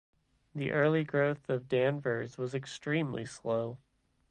The early growth of Danvers was extremely slow.